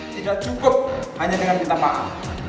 tidak cukup hanya dengan minta maaf